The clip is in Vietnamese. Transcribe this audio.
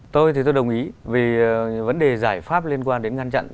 tôi thì tôi đồng ý vì vấn đề giải pháp liên quan đến ngăn chặn